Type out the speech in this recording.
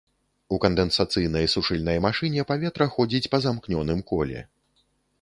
У кандэнсацыйнай сушыльнай машыне паветра ходзіць па замкнёным коле.